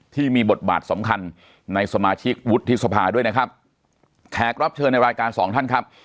ที่มีบทบาทสำคัญในสมาชิกวุฒิสภาด้วยนะครับแขกรับเชิญในรายการสองท่านครับ